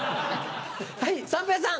はい三平さん。